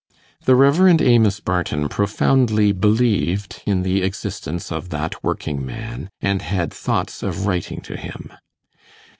The Rev. Amos Barton profoundly believed in the existence of that working man, and had thoughts of writing to him.